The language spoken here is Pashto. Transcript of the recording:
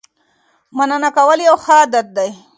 مننه کول یو ښه عادت دی.